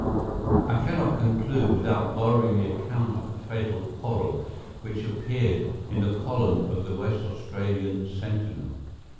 I cannot conclude without borrowing the account of the fatal quarrel which appeared in the column of the West Australian Sentinel.